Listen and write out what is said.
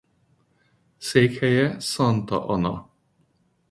Székhelye Santa Ana.